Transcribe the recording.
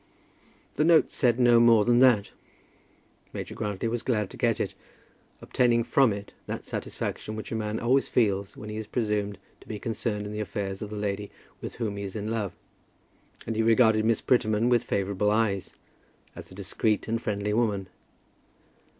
The note said no more than that. Major Grantly was glad to get it, obtaining from it that satisfaction which a man always feels when he is presumed to be concerned in the affairs of the lady with whom he is in love. And he regarded Miss Prettyman with favourable eyes, as a discreet and friendly woman.